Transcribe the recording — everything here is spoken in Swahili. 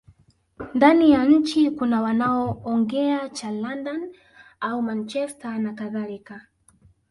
Ndani ya nchi kuna wanaoongea cha London au Manchester nakadhalika